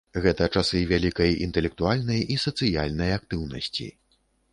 Гэта часы вялікай інтэлектуальнай і сацыяльнай актыўнасці.